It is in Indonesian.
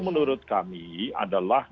menurut kami adalah